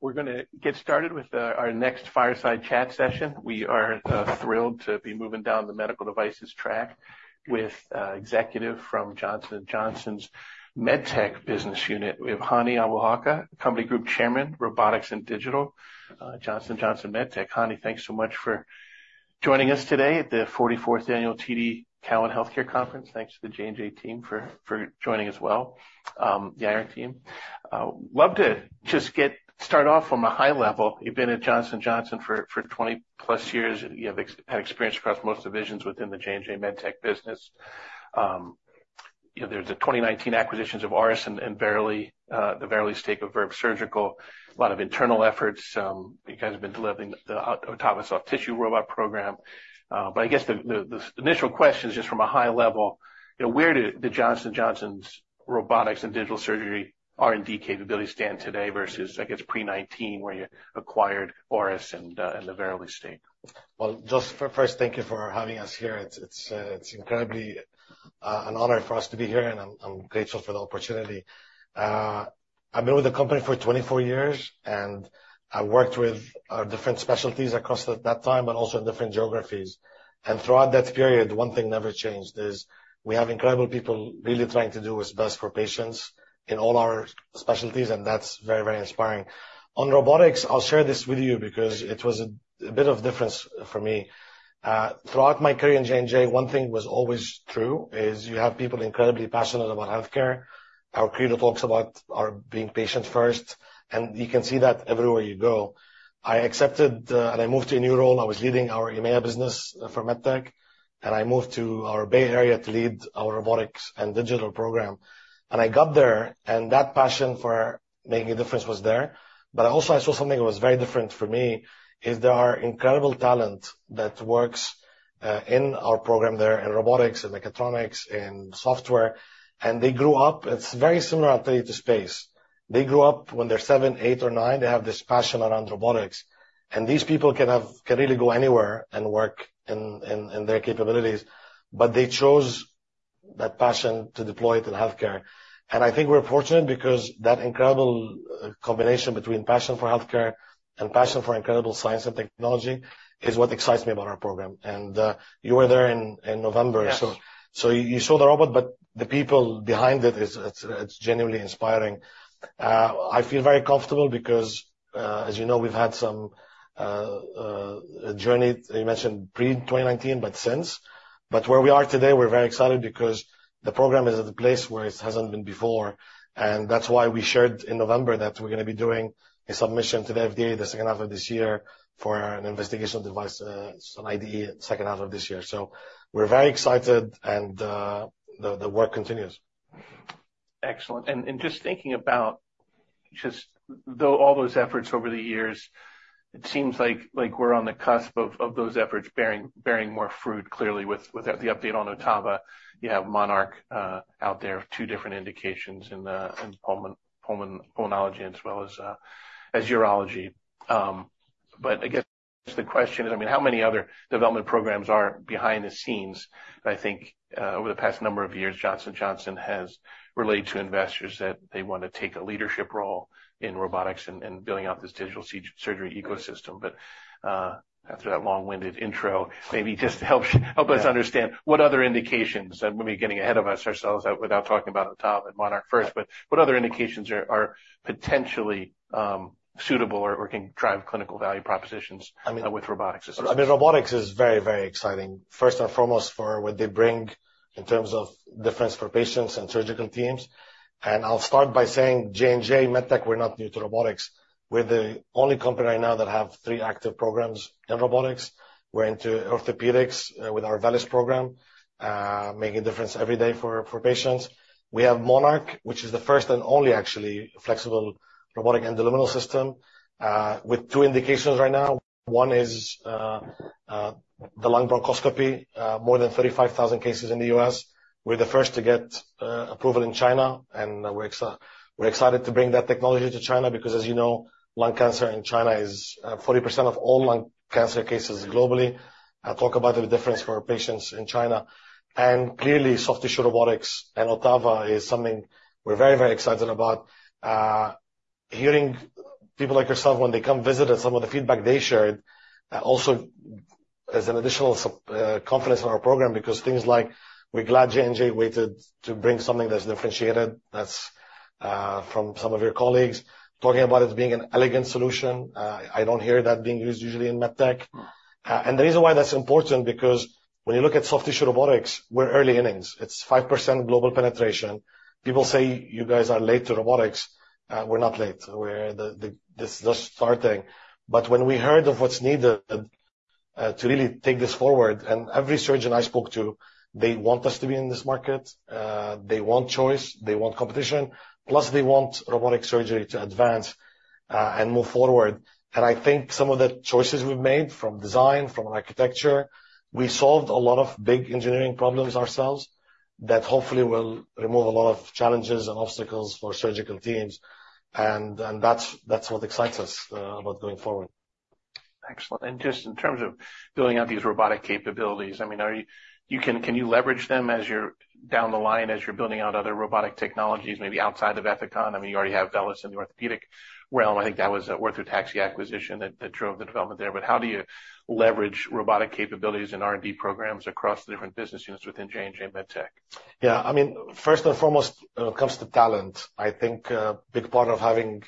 We're gonna get started with our next fireside chat session. We are thrilled to be moving down the medical devices track with executive from Johnson & Johnson's MedTech business unit. We have Hani Abouhalka, Company Group Chairman, Robotics and Digital, Johnson & Johnson MedTech. Hani, thanks so much for joining us today at the 44th annual TD Cowen Healthcare Conference. Thanks to the J&J team for joining as well, the IR team. Love to just start off from a high level. You've been at Johnson & Johnson for 20+ years. You have had experience across most divisions within the J&J MedTech business. You know, there's the 2019 acquisitions of Auris and Verily, the Verily stake of Verb Surgical. A lot of internal efforts. You guys have been delivering the OTTAVA soft tissue robot program. But I guess the initial question is just from a high level, you know, where do the Johnson & Johnson's robotics and digital surgery R&D capabilities stand today versus, I guess, pre-2019, where you acquired Auris and the Verily stake? Well, just first, thank you for having us here. It's incredibly an honor for us to be here, and I'm grateful for the opportunity. I've been with the company for 24 years, and I worked with different specialties across at that time, but also in different geographies. Throughout that period, one thing never changed, is we have incredible people really trying to do what's best for patients in all our specialties, and that's very, very inspiring. On robotics, I'll share this with you because it was a bit of difference for me. Throughout my career in J&J, one thing was always true, is you have people incredibly passionate about healthcare. Our Credo talks about our being patient first, and you can see that everywhere you go. I accepted and I moved to a new role. I was leading our EMEA business for MedTech, and I moved to our Bay Area to lead our robotics and digital program. I got there, and that passion for making a difference was there. But also, I saw something that was very different for me, is there are incredible talent that works in our program there, in robotics, in mechatronics, in software, and they grew up. It's very similar, I'll tell you, to space. They grew up, when they're seven, eight, or nine, they have this passion around robotics, and these people can really go anywhere and work in their capabilities, but they chose that passion to deploy it in healthcare. I think we're fortunate because that incredible combination between passion for healthcare and passion for incredible science and technology is what excites me about our program. You were there in November. Yes. So, you saw the robot, but the people behind it is, it's genuinely inspiring. I feel very comfortable because, as you know, we've had some journey, you mentioned pre-2019, but since. But where we are today, we're very excited because the program is at the place where it hasn't been before, and that's why we shared in November that we're gonna be doing a submission to the FDA the second half of this year for an investigational device exemption (IDE) second half of this year. So we're very excited, and the work continues. Excellent. Just thinking about just through all those efforts over the years, it seems like we're on the cusp of those efforts bearing more fruit, clearly, with the update on OTTAVA. You have MONARCH out there, two different indications in the pulmonology as well as urology. But I guess the question is, I mean, how many other development programs are behind the scenes? I think over the past number of years, Johnson & Johnson has relayed to investors that they want to take a leadership role in robotics and building out this digital surgery ecosystem. But, after that long-winded intro, maybe just to help us understand, what other indications, and maybe getting ahead of ourselves without talking about OTTAVA and MONARCH first, but what other indications are potentially suitable or can drive clinical value propositions? I mean- with robotics as well? I mean, robotics is very, very exciting, first and foremost, for what they bring in terms of difference for patients and surgical teams. I'll start by saying J&J MedTech, we're not new to robotics. We're the only company right now that have three active programs in robotics. We're into orthopedics with our VELYS program, making a difference every day for patients. We have MONARCH, which is the first and only, actually, flexible robotic endoluminal system with two indications right now. One is the lung bronchoscopy, more than 35,000 cases in the U.S. We're the first to get approval in China, and we're excited to bring that technology to China, because, as you know, lung cancer in China is 40% of all lung cancer cases globally. I'll talk about the difference for patients in China. Clearly, soft tissue robotics and OTTAVA is something we're very, very excited about. Hearing people like yourself when they come visit, and some of the feedback they shared, also is an additional confidence in our program. Because things like, "We're glad J&J waited to bring something that's differentiated," that's from some of your colleagues, talking about it as being an elegant solution. I don't hear that being used usually in MedTech. Mm. And the reason why that's important because when you look at soft tissue robotics, we're early innings. It's 5% global penetration. People say, "You guys are late to robotics." We're not late. We're the this is just starting. But when we heard of what's needed to really take this forward, and every surgeon I spoke to, they want us to be in this market. They want choice. They want competition. Plus, they want robotic surgery to advance and move forward. And I think some of the choices we've made, from design, from architecture, we solved a lot of big engineering problems ourselves that hopefully will remove a lot of challenges and obstacles for surgical teams, and that's what excites us about going forward.... Excellent. And just in terms of building out these robotic capabilities, I mean, can you leverage them as you're down the line, as you're building out other robotic technologies, maybe outside of Ethicon? I mean, you already have VELYS in the orthopedic realm. I think that was Orthotaxy acquisition that drove the development there. But how do you leverage robotic capabilities and R&D programs across the different business units within J&J MedTech? Yeah, I mean, first and foremost, when it comes to talent, I think, big part of having,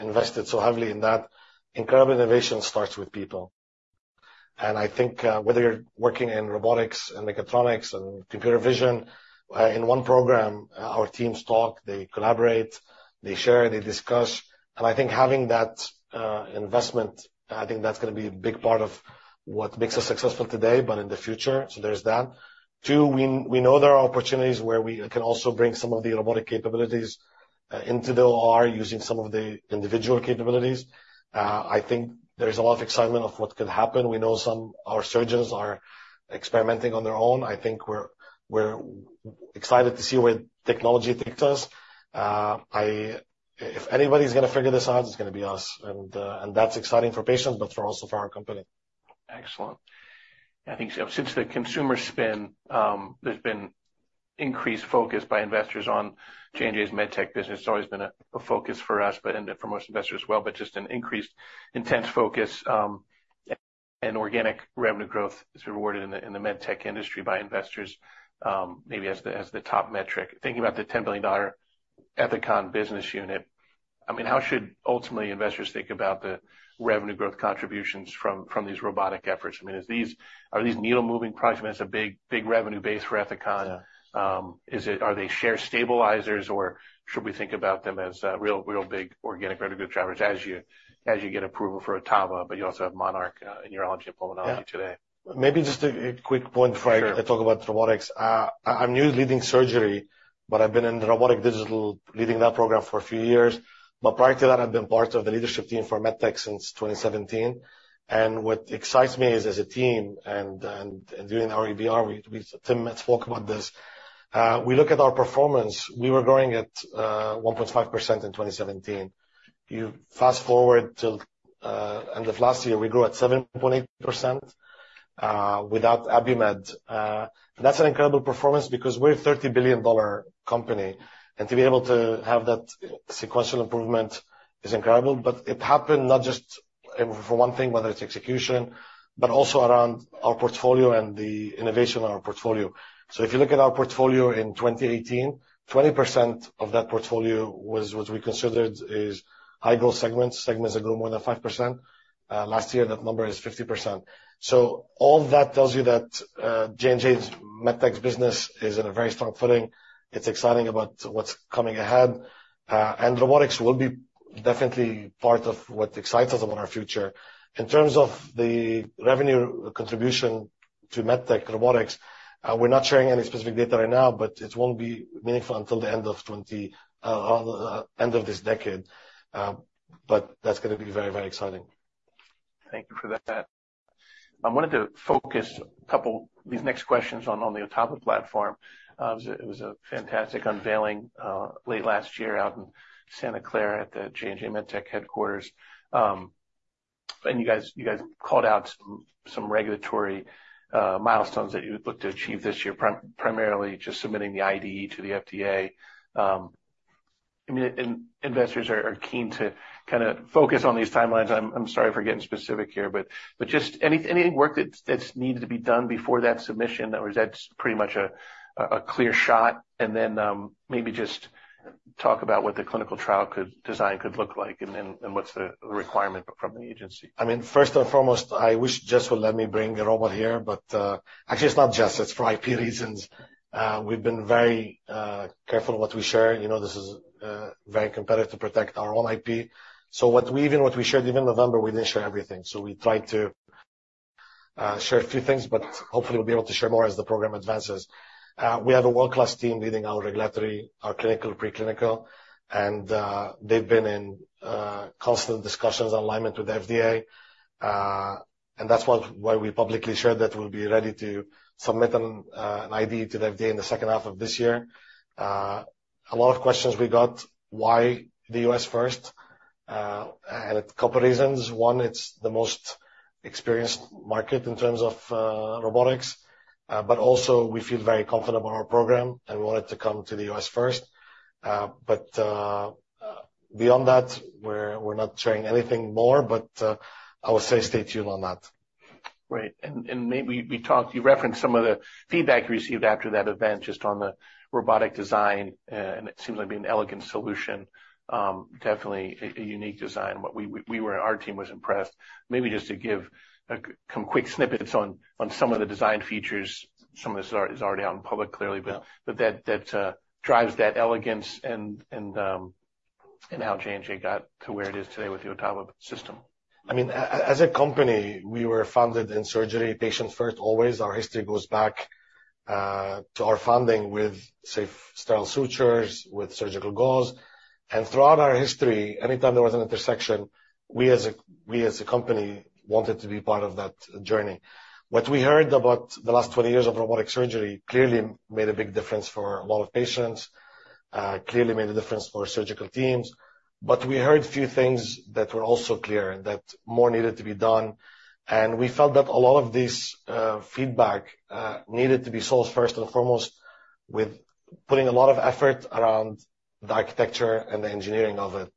invested so heavily in that, incredible innovation starts with people. And I think, whether you're working in robotics and mechatronics and computer vision, in one program, our teams talk, they collaborate, they share, they discuss. And I think having that, investment, I think that's gonna be a big part of what makes us successful today, but in the future. So there's that. Two, we know there are opportunities where we can also bring some of the robotic capabilities, into the OR, using some of the individual capabilities. I think there is a lot of excitement of what could happen. We know our surgeons are experimenting on their own. I think we're excited to see where technology takes us. If anybody's gonna figure this out, it's gonna be us, and that's exciting for patients, but also for our company. Excellent. I think so since the consumer spin, there's been increased focus by investors on J&J's MedTech business. It's always been a focus for us, but and for most investors as well, but just an increased intense focus, and organic revenue growth is rewarded in the MedTech industry by investors, maybe as the top metric. Thinking about the $10 billion Ethicon business unit, I mean, how should ultimately investors think about the revenue growth contributions from these robotic efforts? I mean, are these needle moving projects a big revenue base for Ethicon? Are they share stabilizers, or should we think about them as real real big organic revenue drivers as you get approval for OTTAVA, but you also have MONARCH in urology and pulmonology today. Yeah. Maybe just a quick point before- Sure... I talk about robotics. I'm new to leading surgery, but I've been in the robotic digital, leading that program for a few years. But prior to that, I've been part of the leadership team for MedTech since 2017, and what excites me is, as a team and doing our EBR, we - Tim Schmid spoke about this. We look at our performance, we were growing at 1.5% in 2017. You fast forward till end of last year, we grew at 7.8%, without Abiomed. That's an incredible performance because we're a $30 billion company, and to be able to have that sequential improvement is incredible. But it happened not just for one thing, whether it's execution, but also around our portfolio and the innovation in our portfolio. So if you look at our portfolio in 2018, 20% of that portfolio was what we considered is high-growth segments, segments that grew more than 5%. Last year, that number is 50%. So all that tells you that, J&J MedTech's business is in a very strong footing. It's exciting about what's coming ahead, and robotics will be definitely part of what excites us about our future. In terms of the revenue contribution to MedTech robotics, we're not sharing any specific data right now, but it won't be meaningful until the end of this decade. But that's gonna be very, very exciting. Thank you for that. I wanted to focus these next questions on the OTTAVA platform. It was a fantastic unveiling late last year out in Santa Clara at the J&J MedTech headquarters. And you guys, you guys called out some regulatory milestones that you look to achieve this year, primarily just submitting the IDE to the FDA. I mean, investors are keen to kind of focus on these timelines. I'm sorry for getting specific here, but just any work that's needed to be done before that submission? Or is that pretty much a clear shot, and then maybe just talk about what the clinical trial design could look like, and what's the requirement from the agency? I mean, first and foremost, I wish Jess would let me bring the robot here, but, actually, it's not Jess. It's for IP reasons. We've been very careful what we share. You know, this is very competitive to protect our own IP. So what we even, what we shared even in November, we didn't share everything. So we tried to share a few things, but hopefully we'll be able to share more as the program advances. We have a world-class team leading our regulatory, our clinical, preclinical, and they've been in constant discussions, alignment with the FDA. And that's what—why we publicly shared that we'll be ready to submit an IDE to the FDA in the second half of this year. A lot of questions we got, why the U.S. first? And a couple reasons. One, it's the most experienced market in terms of robotics, but also we feel very confident about our program, and we want it to come to the U.S. first. But, beyond that, we're not sharing anything more, but I would say stay tuned on that. Great. And maybe we talked... You referenced some of the feedback you received after that event, just on the robotic design, and it seems like be an elegant solution. Definitely a unique design. What our team was impressed. Maybe just to give some quick snippets on some of the design features. Some of this is already out in public, clearly. Yeah... but that drives that elegance and how J&J got to where it is today with the OTTAVA system. I mean, as a company, we were founded in surgery, patients first, always. Our history goes back to our founding with safe, sterile sutures, with surgical gauze. Throughout our history, anytime there was an intersection, we as a company wanted to be part of that journey. What we heard about the last 20 years of robotic surgery clearly made a big difference for a lot of patients, clearly made a difference for surgical teams. But we heard a few things that were also clear, that more needed to be done, and we felt that a lot of this feedback needed to be solved first and foremost, with putting a lot of effort around the architecture and the engineering of it.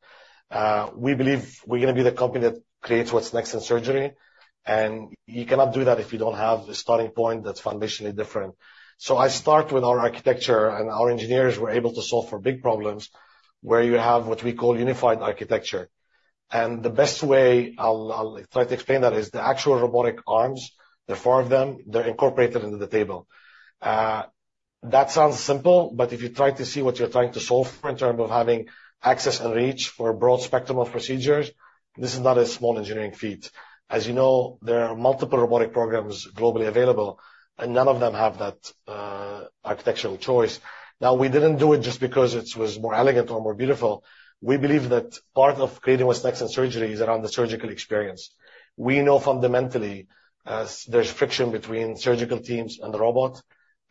We believe we're going to be the company that creates what's next in surgery, and you cannot do that if you don't have a starting point that's foundationally different. So I start with our architecture, and our engineers were able to solve for big problems, where you have what we call Unified Architecture. And the best way I'll try to explain that is the actual robotic arms, the four of them, they're incorporated into the table. That sounds simple, but if you try to see what you're trying to solve for in terms of having access and reach for a broad spectrum of procedures, this is not a small engineering feat. As you know, there are multiple robotic programs globally available, and none of them have that architectural choice. Now, we didn't do it just because it was more elegant or more beautiful. We believe that part of creating what's next in surgery is around the surgical experience. We know fundamentally, there's friction between surgical teams and the robot.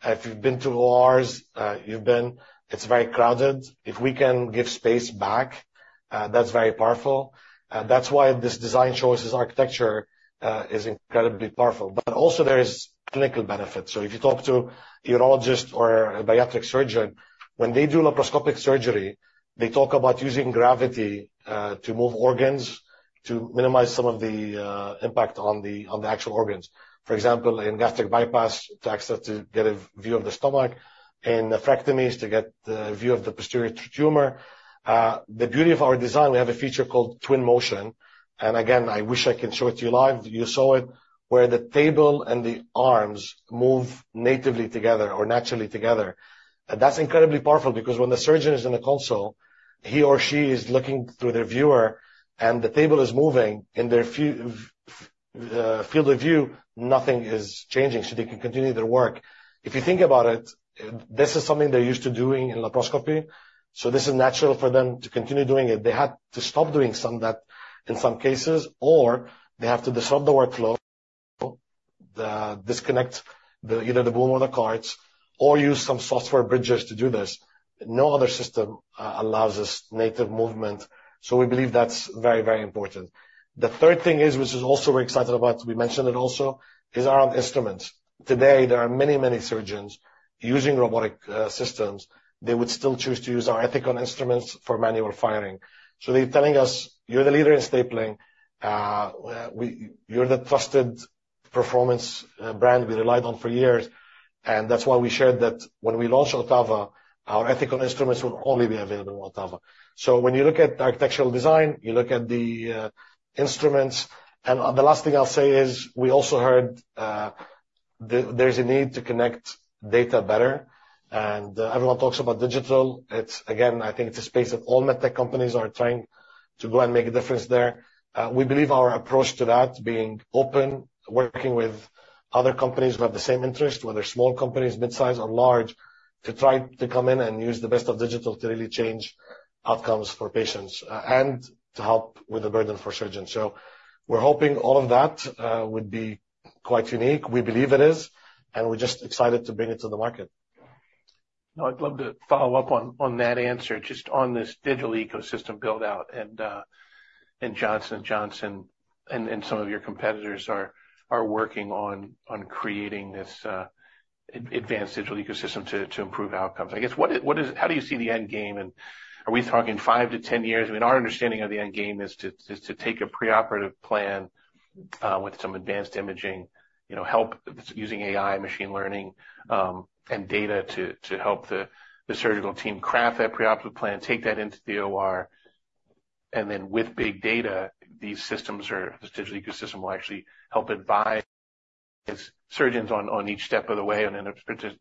If you've been to ORs, it's very crowded. If we can give space back, that's very powerful. That's why this design choices architecture is incredibly powerful. But also there is clinical benefits. So if you talk to a urologist or a bariatric surgeon, when they do laparoscopic surgery, they talk about using gravity to move organs, to minimize some of the impact on the actual organs. For example, in gastric bypass, to access, to get a view of the stomach, in nephrectomies, to get the view of the posterior tumor. The beauty of our design, we have a feature called Twin Motion, and again, I wish I could show it to you live. You saw it, where the table and the arms move natively together or naturally together. And that's incredibly powerful, because when the surgeon is in the console, he or she is looking through their viewer, and the table is moving. In their field of view, nothing is changing, so they can continue their work. If you think about it, this is something they're used to doing in laparoscopy, so this is natural for them to continue doing it. They had to stop doing some of that in some cases, or they have to disrupt the workflow, disconnect either the boom or the carts, or use some software bridges to do this. No other system allows this native movement, so we believe that's very, very important. The third thing is, which is also we're excited about, we mentioned it also, is our instruments. Today, there are many, many surgeons using robotic systems. They would still choose to use our Ethicon instruments for manual firing. So they're telling us, "You're the leader in stapling, you're the trusted performance brand we relied on for years." And that's why we shared that when we launch OTTAVA, our Ethicon instruments will only be available on OTTAVA. So when you look at the architectural design, you look at the instruments. And the last thing I'll say is, we also heard there's a need to connect data better, and everyone talks about digital. It's again, I think it's a space that all MedTech companies are trying to go and make a difference there. We believe our approach to that, being open, working with other companies who have the same interest, whether small companies, mid-size or large, to try to come in and use the best of digital to really change outcomes for patients, and to help with the burden for surgeons. So we're hoping all of that would be quite unique. We believe it is, and we're just excited to bring it to the market. Now, I'd love to follow up on that answer, just on this digital ecosystem build-out, and Johnson & Johnson and some of your competitors are working on creating this advanced digital ecosystem to improve outcomes. I guess, what is—how do you see the end game? And are we talking 5-10 years? I mean, our understanding of the end game is to take a preoperative plan, with some advanced imaging, you know, help using AI, machine learning, and data to help the surgical team craft that preoperative plan, take that into the OR, and then with big data, these systems or this digital ecosystem will actually help advise surgeons on each step of the way, and in a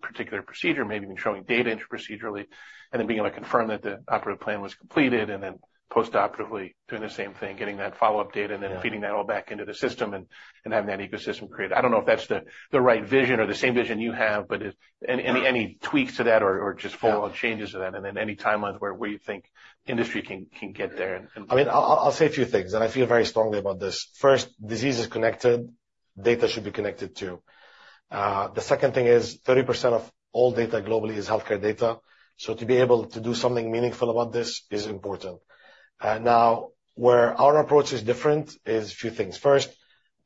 particular procedure, maybe even showing data intraprocedurally, and then being able to confirm that the operative plan was completed, and then post-operatively doing the same thing, getting that follow-up data, and then feeding that all back into the system and having that ecosystem created. I don't know if that's the right vision or the same vision you have, but any tweaks to that or just full-on changes to that, and then any timeline where you think industry can get there and- I mean, I'll say a few things, and I feel very strongly about this. First, disease is connected, data should be connected, too. The second thing is, 30% of all data globally is healthcare data, so to be able to do something meaningful about this is important. Now, where our approach is different is a few things. First,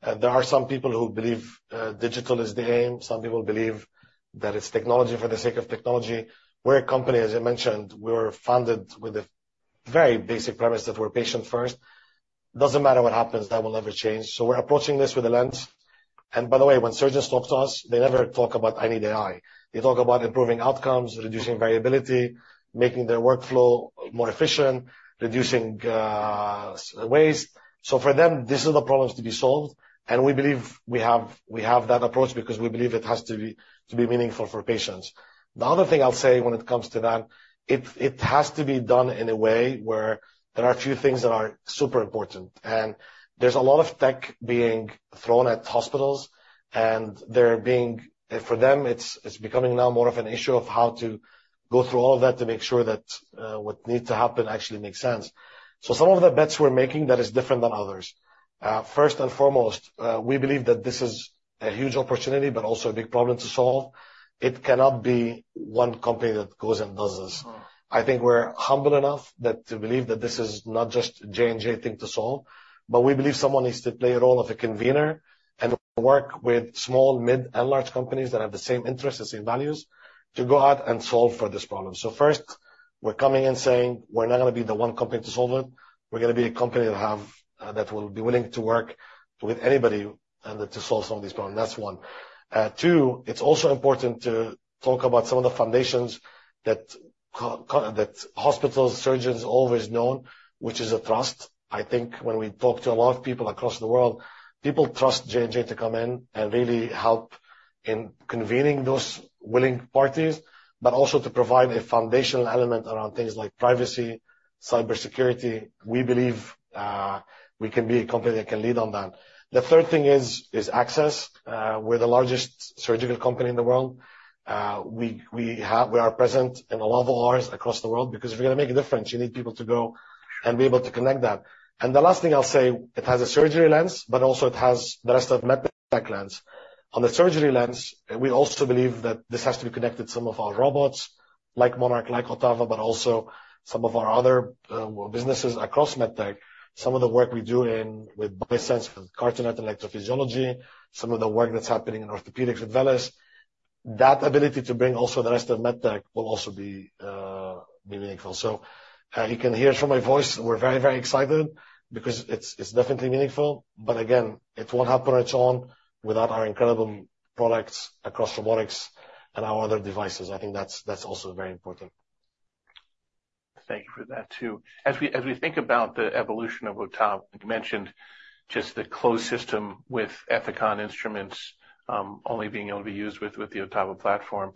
there are some people who believe, digital is the aim. Some people believe that it's technology for the sake of technology. We're a company, as I mentioned, we were founded with the very basic premise that we're patient first. Doesn't matter what happens, that will never change. So we're approaching this with a lens. And by the way, when surgeons talk to us, they never talk about, "I need AI." They talk about improving outcomes, reducing variability, making their workflow more efficient, reducing waste. So for them, this is the problems to be solved, and we believe we have that approach because we believe it has to be meaningful for patients. The other thing I'll say when it comes to that, it has to be done in a way where there are a few things that are super important. And there's a lot of tech being thrown at hospitals, and they're being for them, it's becoming now more of an issue of how to go through all of that to make sure that what needs to happen actually makes sense. So some of the bets we're making, that is different than others. First and foremost, we believe that this is a huge opportunity, but also a big problem to solve. It cannot be one company that goes and does this. I think we're humble enough that, to believe that this is not just a J&J thing to solve, but we believe someone needs to play a role of a convener and work with small, mid, and large companies that have the same interests and same values to go out and solve for this problem. So first, we're coming in saying we're not going to be the one company to solve it. We're going to be a company that have, that will be willing to work with anybody and, to solve some of these problems. That's one. Two, it's also important to talk about some of the foundations that that hospitals, surgeons, always known, which is a trust. I think when we talk to a lot of people across the world, people trust J&J to come in and really help in convening those willing parties, but also to provide a foundational element around things like privacy, cybersecurity. We believe we can be a company that can lead on that. The third thing is access. We're the largest surgical company in the world. We are present in a lot of ORs across the world, because if you're going to make a difference, you need people to go and be able to connect that. And the last thing I'll say, it has a surgery lens, but also it has the rest of med tech lens. On the surgery lens, we also believe that this has to be connected to some of our robots, like MONARCH, like OTTAVA, but also some of our other businesses across MedTech. Some of the work we do in, with Biosense, with CARTO, electrophysiology, some of the work that's happening in orthopedics with VELYS. That ability to bring also the rest of MedTech will also be meaningful. So, you can hear from my voice, we're very, very excited because it's, it's definitely meaningful. But again, it won't happen on its own without our incredible products across robotics and our other devices. I think that's, that's also very important. Thank you for that, too. As we think about the evolution of OTTAVA, you mentioned just the closed system with Ethicon instruments only being able to be used with the OTTAVA platform.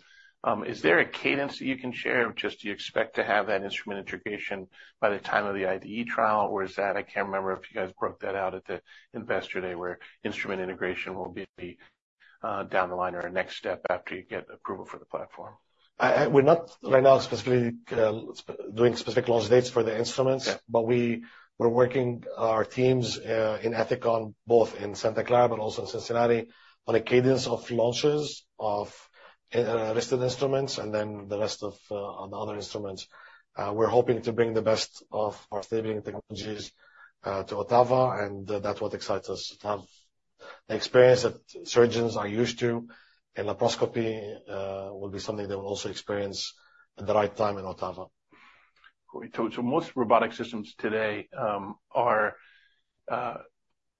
Is there a cadence that you can share? Just do you expect to have that instrument integration by the time of the IDE trial? Or is that, I can't remember if you guys broke that out at the investor day, where instrument integration will be down the line or a next step after you get approval for the platform. We're not right now specifically doing specific launch dates for the instruments- Yeah. but we're working our teams in Ethicon, both in Santa Clara but also in Cincinnati, on a cadence of launches of listed instruments and then the rest of the other instruments. We're hoping to bring the best of our stapling technologies to OTTAVA, and that's what excites us. To have the experience that surgeons are used to in laparoscopy will be something they will also experience at the right time in OTTAVA. So most robotic systems today are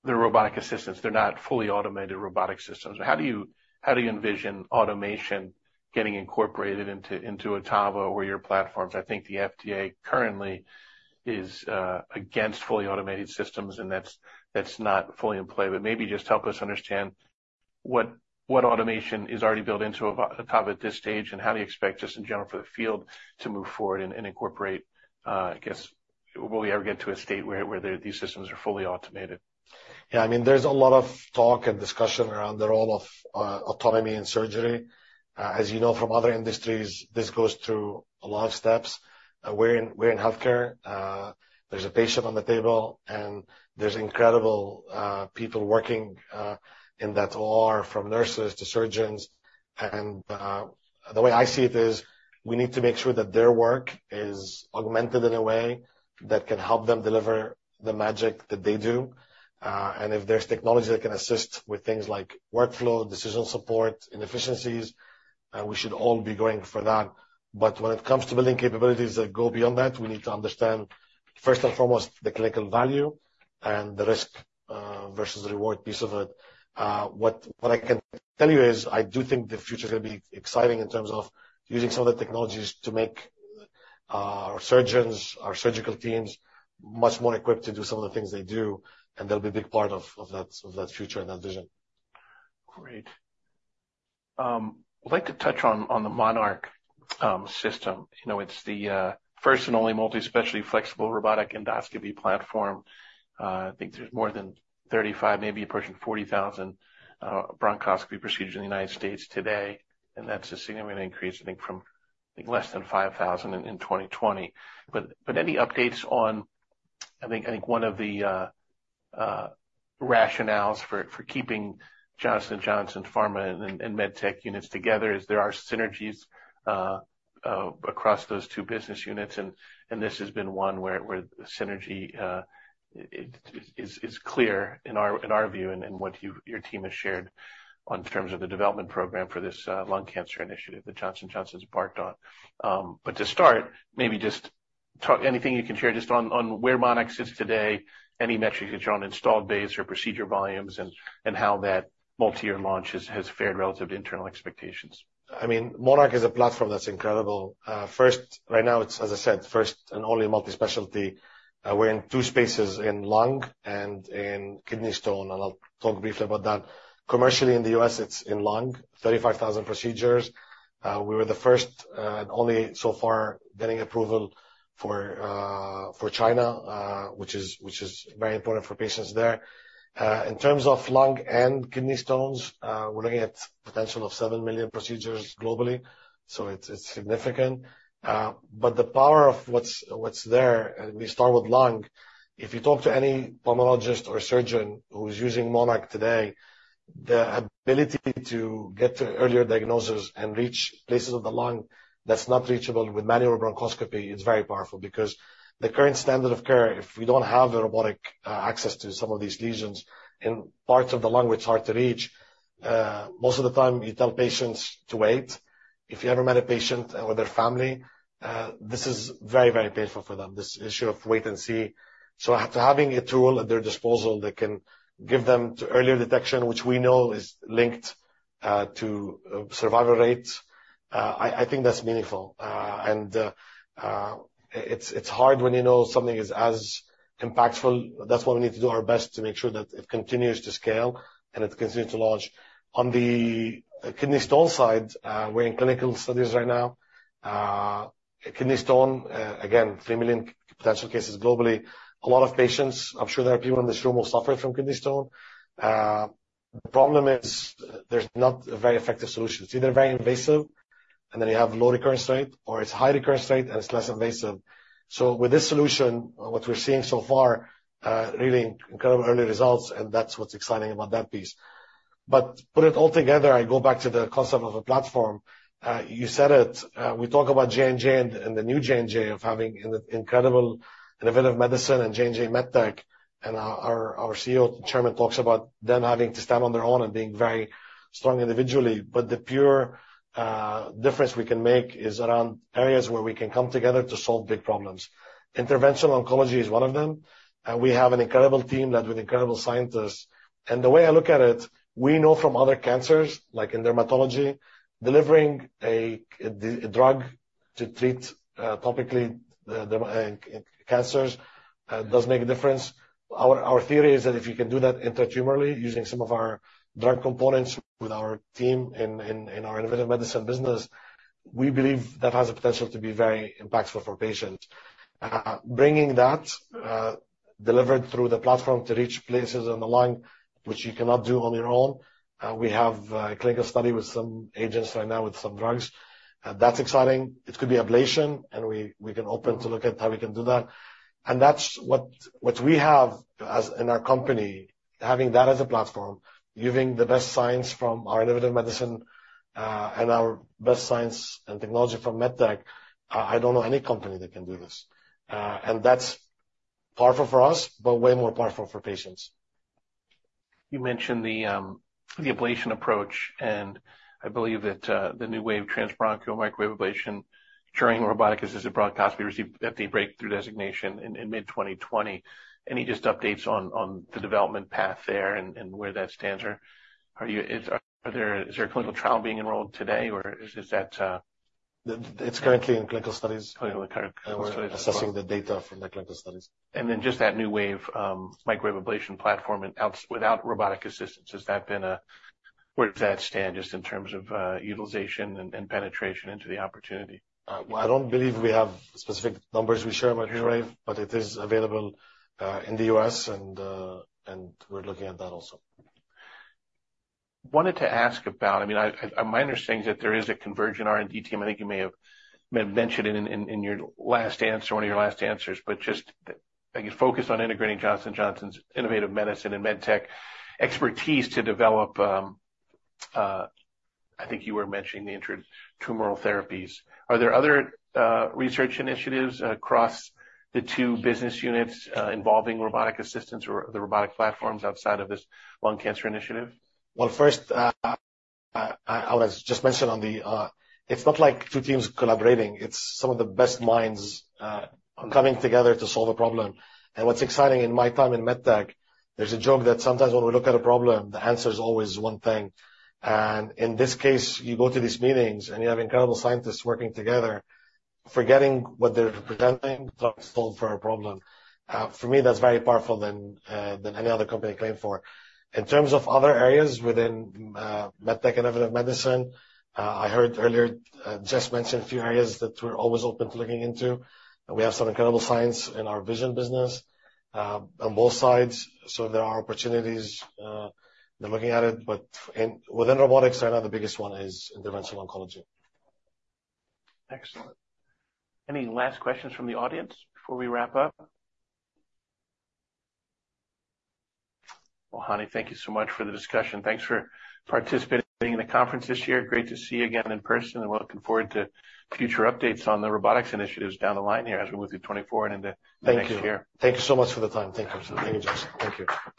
robotic assistants; they're not fully automated robotic systems. How do you envision automation getting incorporated into OTTAVA or your platforms? I think the FDA currently is against fully automated systems, and that's not fully in play. But maybe just help us understand what automation is already built into OTTAVA at this stage, and how do you expect, just in general, for the field to move forward and incorporate... I guess, will we ever get to a state where these systems are fully automated? Yeah, I mean, there's a lot of talk and discussion around the role of autonomy in surgery. As you know, from other industries, this goes through a lot of steps. We're in healthcare. There's a patient on the table, and there's incredible people working in that OR, from nurses to surgeons. And the way I see it is, we need to make sure that their work is augmented in a way that can help them deliver the magic that they do. And if there's technology that can assist with things like workflow, decision support, inefficiencies, we should all be going for that. But when it comes to building capabilities that go beyond that, we need to understand, first and foremost, the clinical value and the risk versus reward piece of it. What I can tell you is, I do think the future is going to be exciting in terms of using some of the technologies to make our surgeons, our surgical teams, much more equipped to do some of the things they do, and they'll be a big part of that future and that vision. Great. I'd like to touch on the MONARCH system. You know, it's the first and only multi-specialty, flexible, robotic endoscopy platform. I think there's more than 35, maybe approaching 40,000 bronchoscopy procedures in the United States today, and that's a significant increase, I think, from less than 5,000 in 2020. But any updates on... I think one of the rationales for keeping Johnson & Johnson pharma and MedTech units together, is there are synergies across those two business units, and this has been one where synergy is clear in our view and in what you- your team has shared on terms of the development program for this lung cancer initiative that Johnson & Johnson has embarked on. But to start, maybe just talk anything you can share just on where MONARCH is today, any metrics on installed base or procedure volumes, and how that multi-year launch has fared relative to internal expectations. I mean, MONARCH is a platform that's incredible. First, right now, it's, as I said, first and only multi-specialty. We're in two spaces, in lung and in kidney stone, and I'll talk briefly about that. Commercially, in the U.S., it's in lung, 35,000 procedures. We were the first, and only so far, getting approval for, for China, which is, which is very important for patients there. In terms of lung and kidney stones, we're looking at potential of 7 million procedures globally, so it's, it's significant. But the power of what's, what's there, and we start with lung. If you talk to any pulmonologist or surgeon who's using MONARCH today... The ability to get to earlier diagnosis and reach places of the lung that's not reachable with manual bronchoscopy is very powerful, because the current standard of care, if we don't have a robotic access to some of these lesions in parts of the lung which are hard to reach, most of the time you tell patients to wait. If you ever met a patient or their family, this is very, very painful for them, this issue of wait and see. So after having a tool at their disposal that can give them to earlier detection, which we know is linked to survival rates, I think that's meaningful. And it's hard when you know something is as impactful. That's why we need to do our best to make sure that it continues to scale and it continues to launch. On the kidney stone side, we're in clinical studies right now. Kidney stone, again, 3 million potential cases globally. A lot of patients, I'm sure there are people in this room who suffer from kidney stone. The problem is there's not a very effective solution. It's either very invasive, and then you have low recurrence rate, or it's high recurrence rate, and it's less invasive. So with this solution, what we're seeing so far, really incredible early results, and that's what's exciting about that piece. But put it all together, I go back to the concept of a platform. You said it, we talk about J&J and the new J&J of having an incredible Innovative Medicine and J&J MedTech, and our CEO, chairman, talks about them having to stand on their own and being very strong individually. But the pure difference we can make is around areas where we can come together to solve big problems. Interventional Oncology is one of them, and we have an incredible team led with incredible scientists. And the way I look at it, we know from other cancers, like in dermatology, delivering a drug to treat topically the cancers does make a difference. Our theory is that if you can do that intratumorally, using some of our drug components with our team in our Innovative Medicine business, we believe that has the potential to be very impactful for patients. Bringing that delivered through the platform to reach places in the lung, which you cannot do on your own, we have a clinical study with some agents right now with some drugs, and that's exciting. It could be ablation, and we can open to look at how we can do that. That's what we have as in our company, having that as a platform, using the best science from our Innovative Medicine and our best science and technology from MedTech. I don't know any company that can do this. And that's powerful for us, but way more powerful for patients. You mentioned the ablation approach, and I believe that the NeuWave of transbronchial microwave ablation during robotic-assisted bronchoscopy received FDA breakthrough designation in mid-2020. Any updates on the development path there and where that stands? Or is there a clinical trial being enrolled today, or is that It's currently in clinical studies. Currently in clinical studies. We're assessing the data from the clinical studies. And then, just that NeuWave, Microwave Ablation platform and without robotic assistance, has that been, where does that stand, just in terms of utilization and penetration into the opportunity? Well, I don't believe we have specific numbers we share about here, right? But it is available in the U.S., and we're looking at that also. Wanted to ask about... I mean, I, my understanding is that there is a convergent R&D team. I think you may have mentioned it in your last answer, one of your last answers, but just, like, you focus on integrating Johnson & Johnson's Innovative Medicine and MedTech expertise to develop, I think you were mentioning the intratumoral therapies. Are there other research initiatives across the two business units, involving robotic assistance or the robotic platforms outside of this lung cancer initiative? Well, first, I was just mentioned on the, it's not like two teams collaborating. It's some of the best minds, coming together to solve a problem. And what's exciting in my time in MedTech, there's a joke that sometimes when we look at a problem, the answer is always one thing. And in this case, you go to these meetings, and you have incredible scientists working together, forgetting what they're presenting, trying to solve for a problem. For me, that's very powerful than any other company I claimed for. In terms of other areas within, MedTech and Innovative Medicine, I heard earlier, Jess mention a few areas that we're always open to looking into. And we have some incredible science in our vision business, on both sides, so there are opportunities, they're looking at it. Within robotics, I know the biggest one is interventional oncology. Excellent. Any last questions from the audience before we wrap up? Well, Hani, thank you so much for the discussion. Thanks for participating in the conference this year. Great to see you again in person, and looking forward to future updates on the robotics initiatives down the line here as we move through 2024 and into next year. Thank you. Thank you so much for the time. Thank you. Thank you, Jason. Thank you.